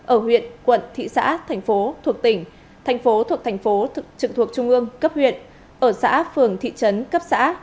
ở huyện quận thị xã thành phố thuộc tỉnh thành phố thuộc thành phố trực thuộc trung ương cấp huyện ở xã phường thị trấn cấp xã